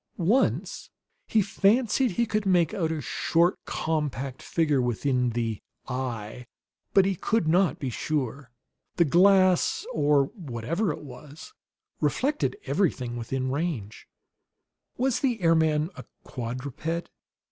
Once he fancied that he could make out a short, compact figure within the "eye"; but he could not be sure. The glass, or whatever it was, reflected everything within range. Was the airman a quadruped?